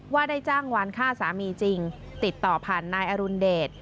ว่าได้จ้างวานฆ่าสามีจริงติดต่อผ่านนายอรุณเดช